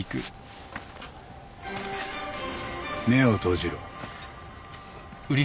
目を閉じろ。